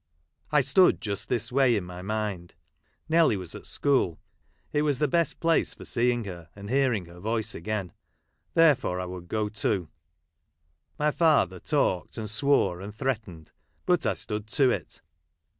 I stood just this way in my mind. Nelly was at school ; it was the best place for seeing her, and hearing her voice again. Therefore I would go too. My father talked, and swore, and threatened, but I stood to it.